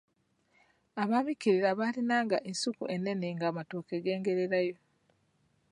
Ababiikira baalinanga ensuku ennene ng’amatooke gengererayo.